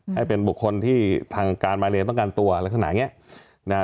ให้เป็นบุคคลที่ทางการมาเรียนต้องการตัวลักษณะอย่างนี้นะ